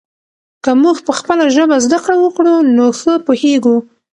که موږ په خپله ژبه زده کړه وکړو نو ښه پوهېږو.